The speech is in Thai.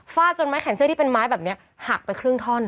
จนไม้แขนเสื้อที่เป็นไม้แบบนี้หักไปครึ่งท่อน